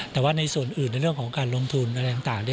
แต่ว่าในส่วนอื่นในเรื่องของการลงทุนอะไรต่าง